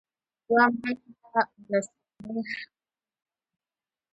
دوه منده ولسوالۍ ښکلې ده؟